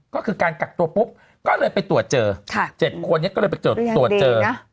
ก็คือการกักตัวปุ๊บก็เลยไปตรวจเจอ๗คนนี้ก็เลยไปตรวจเจอ